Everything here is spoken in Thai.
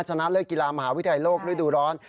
ชนะเลือกกีฬามหาวิทยาโลกด้วยดูร้อน